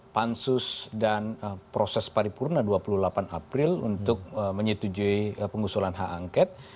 pansus dan proses paripurna dua puluh delapan april untuk menyetujui pengusulan hak angket